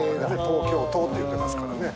「東京都」っていってますからね。